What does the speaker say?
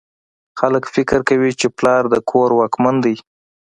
خلک فکر کوي چې پلار د کور واکمن دی